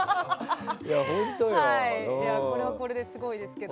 これはこれですごいですけど。